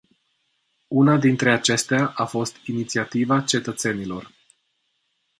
Una dintre acestea a fost inițiativa cetățenilor.